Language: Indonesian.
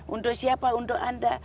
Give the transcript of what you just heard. untuk siapa untuk anda